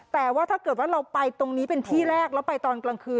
แต่ว่าถ้าเกิดว่าเราไปตรงนี้เป็นที่แรกแล้วไปตอนกลางคืน